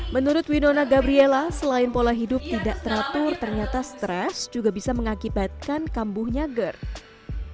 menurut winona gabriela selain pola hidup tidak teratur ternyata stres juga bisa mengakibatkan kambuhnya gerd